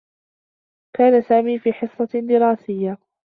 كان سامي في حصّة دراسيّة.